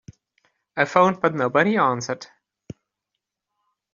I phoned but nobody answered.